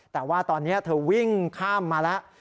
แต่ว่าตอนนี้เธอวิ่งข้ามมาแล้ว